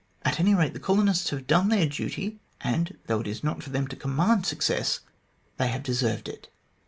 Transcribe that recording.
At any'rate, the colonists have done their duty, and though it is not for them to command success, they have deserved it."